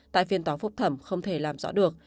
tại phiên tòa phúc thẩm không thể làm rõ được